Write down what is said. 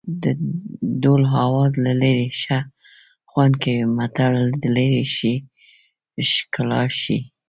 د ډول آواز له لرې ښه خوند کوي متل د لرې شي ښکلا ښيي